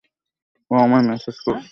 ও আমায় ম্যাসেজ করেছে?